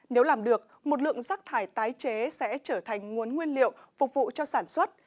nếu làm được một lượng rác thải tái chế sẽ trở thành nguồn nguyên liệu phục vụ cho sản xuất